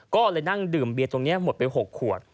ก็เลยนั่งดื่มเบียร์ตรงนี้หมดไป๖ขวด